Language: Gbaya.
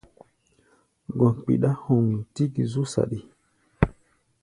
Gɔ̧ kpiɗá hoŋ tík zú saɗi.